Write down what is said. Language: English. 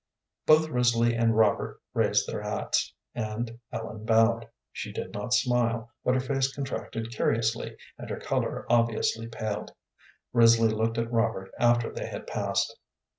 Both Risley and Robert raised their hats, and Ellen bowed. She did not smile, but her face contracted curiously, and her color obviously paled. Risley looked at Robert after they had passed.